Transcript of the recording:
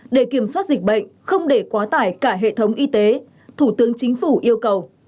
để kiểm soát dịch bệnh không để quá tải cả hệ thống y tế thủ tướng chính phủ yêu cầu